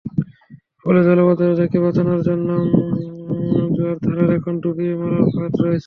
ফলে জলাবদ্ধতা থেকে বাঁচানোর জন্য করা জোয়ারাধার এখন ডুবিয়ে মারার ফাঁদ হয়েছে।